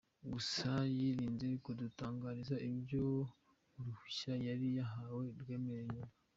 Gusa yirinze kudutangariza ibyo uruhushya yari yahawe rwamwemereraga.